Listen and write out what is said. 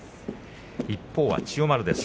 一方は千代丸です。